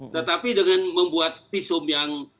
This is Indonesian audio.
tetapi dengan membuat visum yang